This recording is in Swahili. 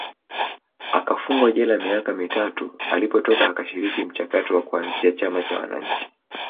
akafungwa jela miaka mitatu alipotoka akashiriki mchakato wa kuanzisha chama cha Wananchi